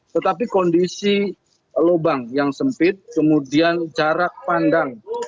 tetapi kondisi lubang yang sempit kemudian jarak pandang